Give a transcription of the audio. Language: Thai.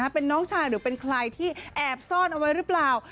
เป็นน้องชายหรือเป็นใครที่แอบซ่อนเอาไว้หรือเปล่า